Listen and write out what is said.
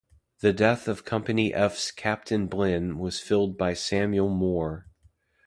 The death of Company F's captain Blinn was filled by Samuel Moore.